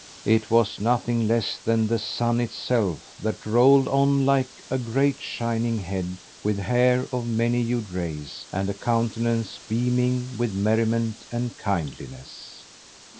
It was nothing less than the Sun itself that rolled on like a great shining head with hair of many hued rays and a countenance beaming with merriment and kindliness!